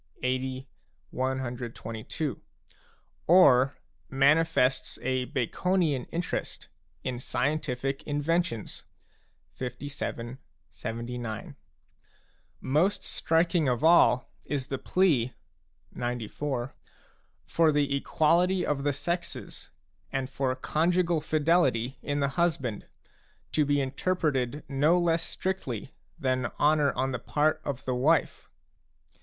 LL, LVL, LXXX., CXXIL); or manifests a Baconian interest in scientific inventions (LVIL, LXXIX.). Most striking of all is the plea (XCIV.) for the equality of the sexes and for conjugal fidelity in the •husband, to be interpreted no less strictly than honour on the part of the wife.